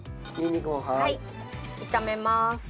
炒めます。